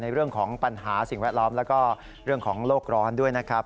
เรื่องของปัญหาสิ่งแวดล้อมแล้วก็เรื่องของโลกร้อนด้วยนะครับ